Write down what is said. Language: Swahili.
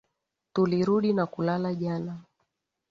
Tulirudi na kulala jana